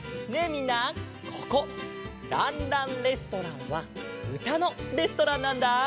みんなここ「ランランレストラン」はうたのレストランなんだ。